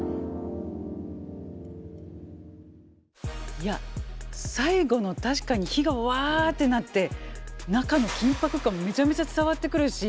いや最後の確かに火がわってなって中の緊迫感めちゃめちゃ伝わってくるし。